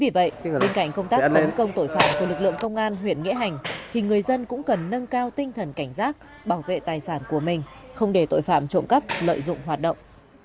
vì vậy bên cạnh công tác tấn công tội phạm của lực lượng công an huyện nghĩa hành thì người dân cũng cần nâng cao tinh thần cảnh giác bảo vệ tài sản của mình không để tội phạm trộm cắp lợi dụng hoạt động